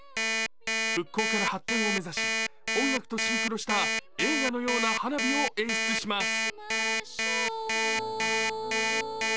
復興から発展を目指し音楽とシンクロした映画のような花火を演出します。